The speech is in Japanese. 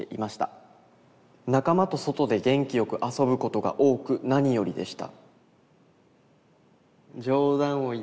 「仲間と外で元気よく遊ぶことが多く何よりでした」。